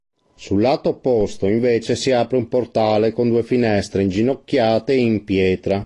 Sul lato opposto invece si apre un portale con due finestre inginocchiate in pietra.